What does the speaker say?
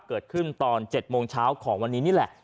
เกิดขึ้นตอน๗โมงเช้าของวันนี้นี่แหละ